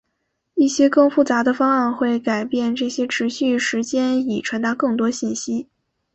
一些更复杂的方案会改变这些持续时间以传达更多信息。